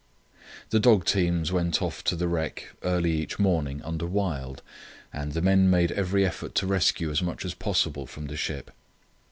The dog teams went off to the wreck early each morning under Wild, and the men made every effort to rescue as much as possible from the ship.